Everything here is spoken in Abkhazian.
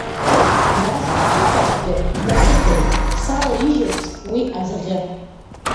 Нас ахықәахьгьы днасыхеит, салаижьырц уи аӡӷьы…